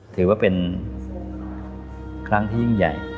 ถือว่าเป็นครั้งที่ยิ่งใหญ่